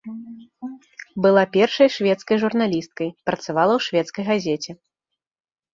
Была першай шведскай журналісткай, працавала ў шведскай газеце.